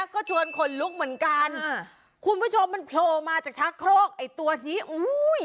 ก็ชวนขนลุกเหมือนกันอ่าคุณผู้ชมมันโผล่มาจากชักโครกไอ้ตัวนี้อุ้ย